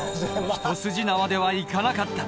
一筋縄ではいかなかった。